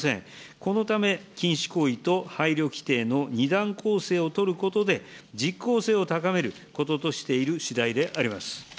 このため、禁止行為と配慮規定の２段構成を取ることで、実効性を高めることとしているしだいであ